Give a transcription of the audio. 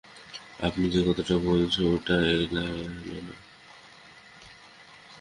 আপনি যে কথাটা বলছেন ওটা একালের নয়।